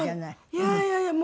いやいやいやもう。